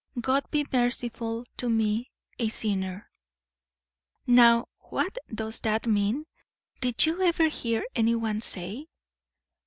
God be merciful to me a sinner! "Now what does that mean? Did you ever hear anyone say?"